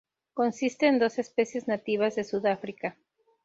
Consiste en dos especies nativas de Sudáfrica.